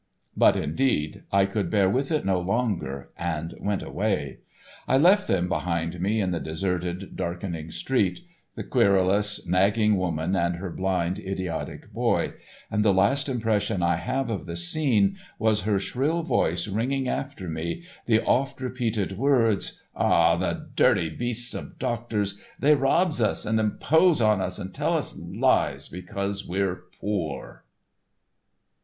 But indeed I could bear with it no longer, and went away. I left them behind me in the deserted, darkening street, the querulous, nagging woman and her blind, idiotic boy, and the last impression I have of the scene was her shrill voice ringing after me the oft repeated words: "Ah, the dirty beasts of doctors—they robs us and impose on us and tell us lies because we're poor!"